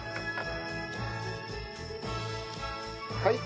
はい。